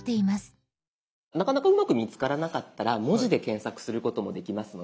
なかなかうまく見つからなかったら文字で検索することもできますので。